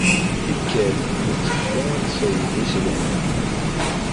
Tikkal netteddu ad nṣeyyed iselman.